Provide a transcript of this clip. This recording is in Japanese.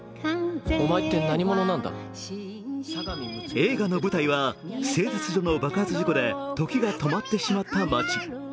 映画の舞台は製鉄所の爆発事故で時が止まってしまった町。